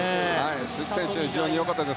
鈴木選手、非常に良かったです。